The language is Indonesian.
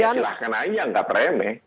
yang nggak premeh silahkan aja yang nggak premeh